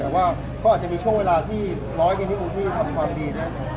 แต่ว่าก็อาจจะมีช่วงเวลาที่น้อยกันนิดนึงที่ทำความดีนะ